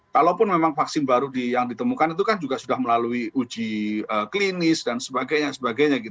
kalaupun memang vaksin baru yang ditemukan itu kan juga sudah melalui uji klinis dan sebagainya sebagainya